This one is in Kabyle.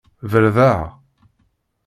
Berdeɛ.